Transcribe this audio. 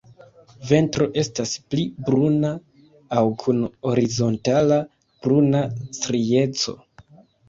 Ventro estas pli bruna aŭ kun horizontala bruna strieco.